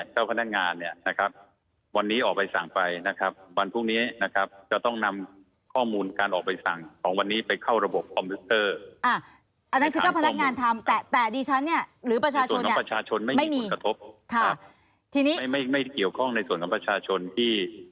เจ้าพนักงานนะครับวันนี้ออกใบสั่งไป